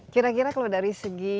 kira kira kalau dari segi